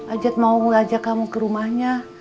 ajat mau mengajak kamu ke rumahnya